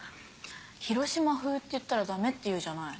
「広島風」って言ったらダメっていうじゃない。